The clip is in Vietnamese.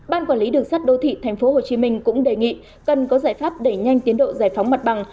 ban quản lý đường sắt đô thị tp hcm cũng đề nghị cần có giải pháp đẩy nhanh tiến độ giải phóng mặt bằng